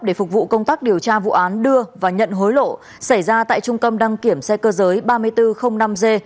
để phục vụ công tác điều tra vụ án đưa và nhận hối lộ xảy ra tại trung tâm đăng kiểm xe cơ giới ba nghìn bốn trăm linh năm g